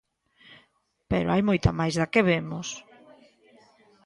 "Pero hai moita máis da que vemos".